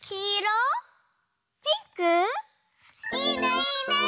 いいねいいね！